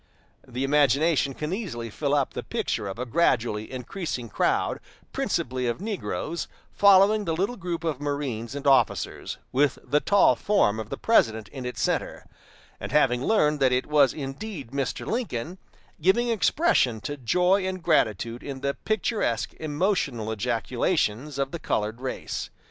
The imagination can easily fill up the picture of a gradually increasing crowd, principally of negroes, following the little group of marines and officers, with the tall form of the President in its center; and, having learned that it was indeed Mr. Lincoln, giving expression to joy and gratitude in the picturesque emotional ejaculations of the colored race.